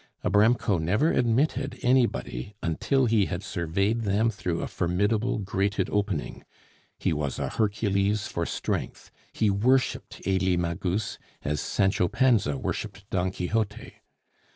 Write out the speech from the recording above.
Abramko never admitted anybody until he had surveyed them through a formidable grated opening. He was a Hercules for strength, he worshiped Elie Magus, as Sancho Panza worshiped Don Quixote.